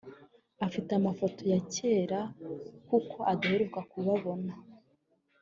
afite amafoto yabo ya cyera kuko adaheruka kubabona